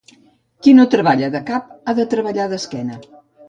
Qui no treballa de cap ha de treballar d'esquena.